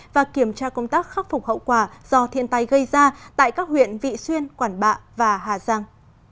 và kiểm tra công tác khắc phục hậu quả do thiên tai gây ra tại các huyện vị xuyên quản bạ và hà giang